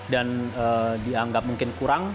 dan dianggap mungkin kurang